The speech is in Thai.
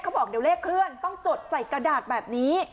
บอกเดี๋ยวเลขเคลื่อนต้องจดใส่กระดาษแบบนี้